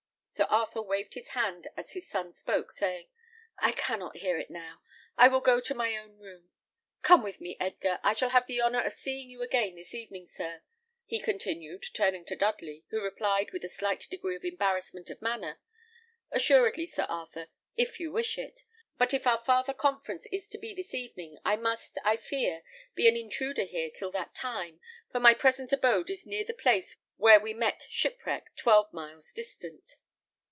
Sir Arthur waved his hand as his son spoke, saying, "I cannot hear it now; I will go to my own room. Come with me, Edgar. I shall have the honour of seeing you again this evening, sir," he continued, turning to Dudley, who replied, with a slight degree of embarrassment of manner, "Assuredly, Sir Arthur, if you wish it; but if our farther conference is to be this evening, I must, I fear, be an intruder here till that time, for my present abode is near the place where we met shipwreck, twelve miles distant."